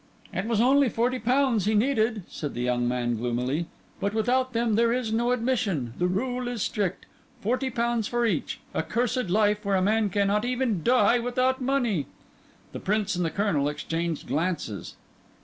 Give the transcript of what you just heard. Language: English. "It was only forty pounds he needed," said the young man gloomily. "But without them there is no admission. The rule is strict. Forty pounds for each. Accursed life, where a man cannot even die without money!" The Prince and the Colonel exchanged glances.